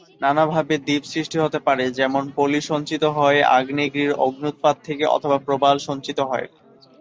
নানাভাবে দ্বীপ সৃষ্টি হতে পারে, যেমন পলি সঞ্চিত হয়ে, আগ্নেয়গিরির অগ্ন্যুৎপাত থেকে, অথবা প্রবাল সঞ্চিত হয়ে।